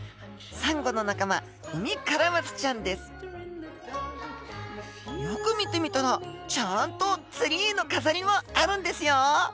サンゴの仲間よく見てみたらちゃんとツリーの飾りもあるんですよ。